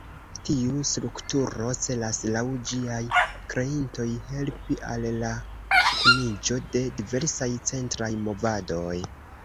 Tiu strukturo celas, laŭ ĝiaj kreintoj, helpi al la kuniĝo de diversaj centraj movadoj.